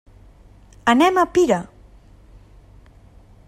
Anem a Pira.